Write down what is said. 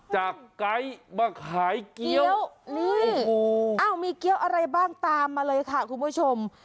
จากไก๊มาขายเกี๊ยวใก่ะมีเเกี๊ยวอะไรบ้างตามมาเลยค่ะคุณผู้ชม